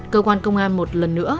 cơ quan công an một lần nữa